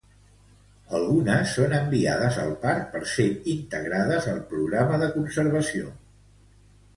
Algunes són enviades al parc per ser integrades al Programa de Conservació.